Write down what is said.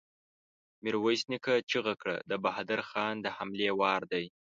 ميرويس نيکه چيغه کړه! د بهادر خان د حملې وار دی!